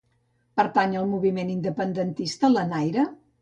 Pertany al moviment independentista la Naira?